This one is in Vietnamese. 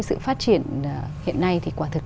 sự phát triển hiện nay thì quả thực